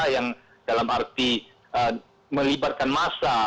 yang dalam arti melibatkan massa